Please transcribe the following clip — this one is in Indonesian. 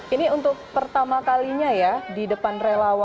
ini untuk pertama kalinya ya di depan relawan